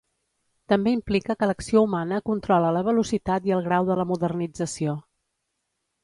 També implica que l'acció humana controla la velocitat i el grau de la modernització.